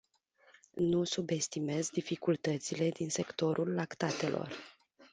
Nu subestimez dificultățile din sectorul lactatelor.